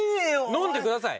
飲んでください！